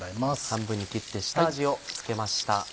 半分に切って下味を付けました。